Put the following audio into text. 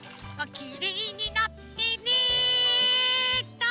「きれいになってね」っと！